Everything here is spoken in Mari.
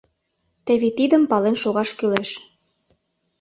Теве тидым пален шогаш кӱлеш.